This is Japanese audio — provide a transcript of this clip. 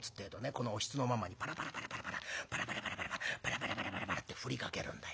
このおひつのまんまにパラパラパラパラパラパラパラパラパラパラって振りかけるんだよ。